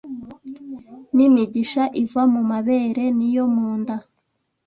N’ imigisha iva mu mabere n’iyo mu nda